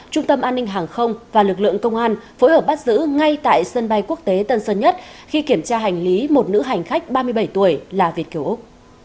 trung tâm an ninh hàng không và lực lượng công an phối hợp bắt giữ ngay tại sân bay quốc tế tân sơn nhất khi kiểm tra hành lý một nữ hành khách ba mươi bảy tuổi là việt kiều úc